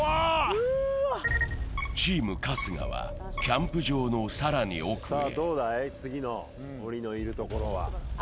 チーム春日は、キャンプ場の更に奥へ。